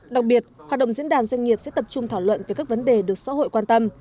đặc biệt hoạt động diễn đàn doanh nghiệp sẽ tập trung thảo luận về các vấn đề được xã hội quan tâm